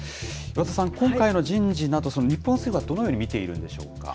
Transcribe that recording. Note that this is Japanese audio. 岩田さん、今回の人事など、日本政府はどのように見ているんでし